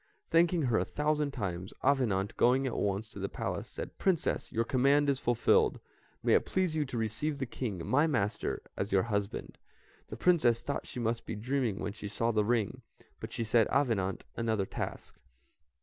Thanking her a thousand times, Avenant, going at once to the Palace, said, "Princess, your command is fulfilled; may it please you to receive the King, my master, as your husband." The Princess thought she must be dreaming when she saw the ring, but she set Avenant another task.